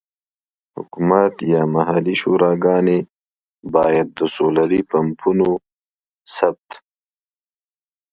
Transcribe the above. حکومت یا محلي شوراګانې باید د سولري پمپونو ثبت.